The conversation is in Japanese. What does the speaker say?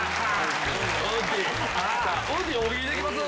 ウッディ大喜利できます？